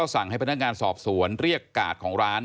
สั่งให้พนักงานสอบสวนเรียกกาดของร้าน